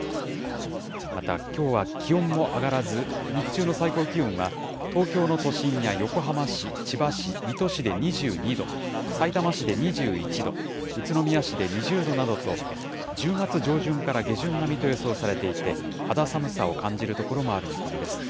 またきょうは気温も上がらず、日中の最高気温は、東京の都心や横浜市、千葉市、水戸市で２２度、さいたま市で２１度、宇都宮市で２０度などと、１０月上旬から下旬並みと予想されていて、肌寒さを感じる所もある見込みです。